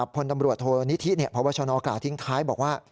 คนตำรวจโทรนิธิเนี่ยเพราะว่าชกทิ้งท้ายบอกว่า